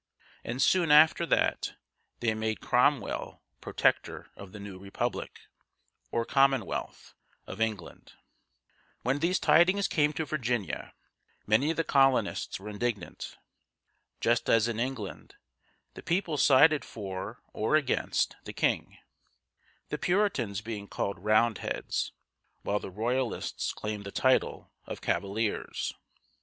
and soon after that they made Cromwell Protector of the new republic, or Commonwealth, of England. When these tidings came to Virginia, many of the colonists were indignant. Just as in England, the people sided for or against the king, the Puritans being called "Roundheads," while the Royalists claimed the title of "Cav a liers´."